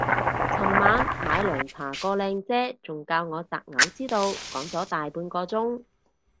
尋晚買涼茶個靚姐仲教我擇偶之道講咗大半個鐘